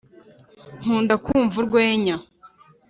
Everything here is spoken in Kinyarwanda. nkunda kumva urwenya